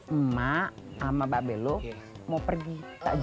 emak ama mbak belok mau pergi tak jauh